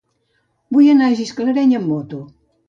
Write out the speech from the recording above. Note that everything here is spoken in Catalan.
Vull anar a Gisclareny amb moto.